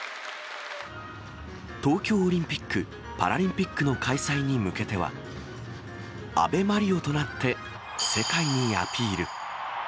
東京オリンピック・パラリンピックの開催に向けては、安倍マリオとなって、世界にアピール。